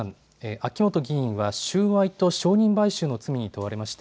秋元議員は収賄と証人買収の罪に問われました。